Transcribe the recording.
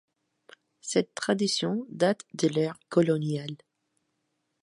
Cette tradition date de l'ère coloniale.